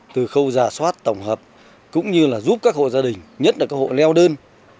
từ khâu giả soát tổng hợp cũng như là giúp các hộ gia đình nhất là các hộ leo đơn